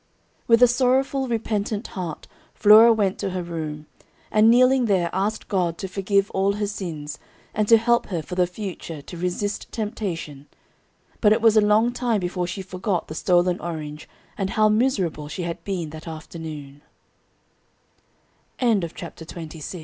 With a sorrowful, repentant heart Flora went to her room, and kneeling there asked God to forgive all her sins, and to help her for the future to resist temptation; but it was a long time before she forgot the stolen orange and how miserable she had